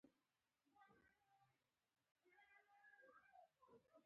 زما زړه له هر ګام سره ګړندی کېده.